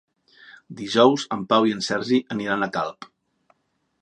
Dijous en Pau i en Sergi aniran a Calp.